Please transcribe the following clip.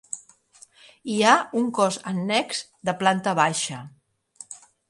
Hi ha un cos annex de planta baixa.